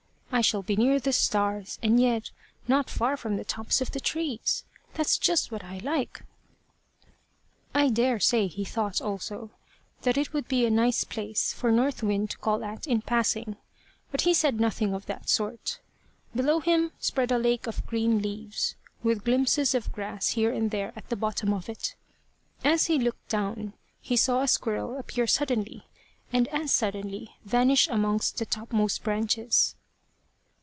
"I shall be near the stars, and yet not far from the tops of the trees. That's just what I like." I daresay he thought, also, that it would be a nice place for North Wind to call at in passing; but he said nothing of that sort. Below him spread a lake of green leaves, with glimpses of grass here and there at the bottom of it. As he looked down, he saw a squirrel appear suddenly, and as suddenly vanish amongst the topmost branches.